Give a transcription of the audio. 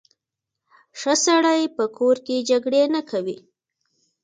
ښه سړی په کور کې جګړې نه کوي.